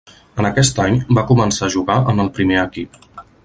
En aquest any va començar a jugar en el primer equip.